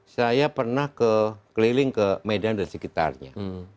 saya pernah keliling ke medan dan sekitarnya